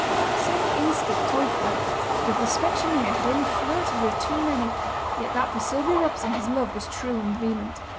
Some instinct told Philip that if the specksioneer had only flirted with too many, yet that for Sylvia Robson his love was true and vehement.